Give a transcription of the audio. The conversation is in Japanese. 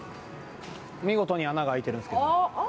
見事に穴が開いているんですけど。